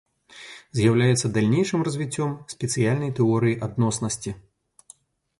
З'яўляецца далейшым развіццём спецыяльнай тэорыі адноснасці.